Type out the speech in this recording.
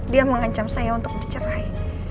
dia mengancam saya untuk bercerai